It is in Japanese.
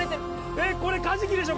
えっ、これカジキでしょ？